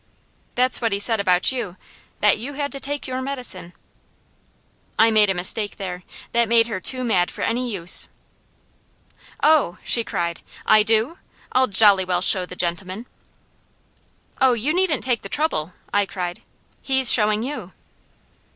That's what he said about you, that you had to take your medicine " I made a mistake there. That made her too mad for any use. "Oh," she cried, "I do? I'll jolly well show the gentleman!" "Oh, you needn't take the trouble," I cried. "He's showing you!"